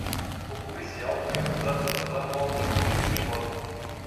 O policial foi acusado de vazar uma operação sigilosa.